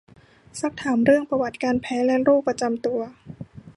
ซักถามเรื่องประวัติการแพ้และโรคประจำตัว